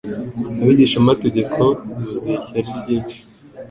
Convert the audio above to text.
Abigishamategeko buzuye ishyari ryinshi